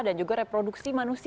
dan juga reproduksi